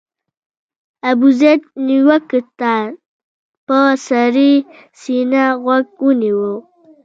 ابوزید نیوکو ته په سړه سینه غوږ ونیو.